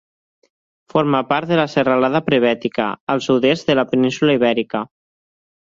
Forma part de la Serralada Prebètica, al sud-est de la península Ibèrica.